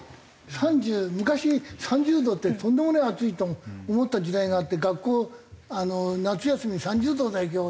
３０昔３０度ってとんでもねえ暑いと思った時代があって学校夏休み「３０度だよ今日」